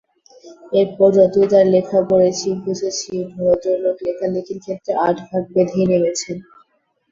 এরপর যতই তাঁর লেখা পড়েছি, বুঝেছি, ভদ্রলোক লেখালেখির ক্ষেত্রে আটঘাট বেঁধেই নেমেছেন।